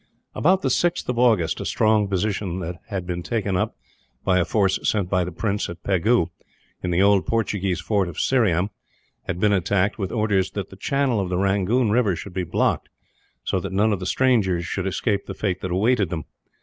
About the 6th of August a strong position that had been taken up, by a force sent by the prince at Pegu, in the old Portuguese fort of Syriam had been attacked; with orders that the channel of the Rangoon river should be blocked, so that none of the strangers should escape the fate that awaited them.